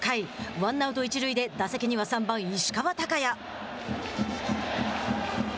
ワンアウト、一塁で、打席には３番、石川昂弥。